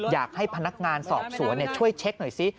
อยากให้พนักงานสอบสวนช่วยเช็คหน่อยซิ